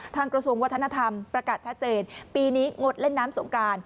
กระทรวงวัฒนธรรมประกาศชัดเจนปีนี้งดเล่นน้ำสงกราน